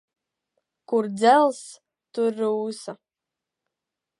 Kur dzelzs, tur rūsa.